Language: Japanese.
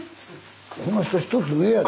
この人１つ上やで。